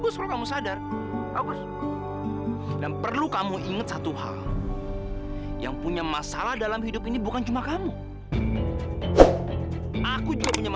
sampai jumpa di video selanjutnya